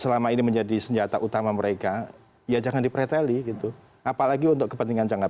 selama ini menjadi senjata utama mereka ya jangan dipreteli gitu apalagi untuk kepentingan jangka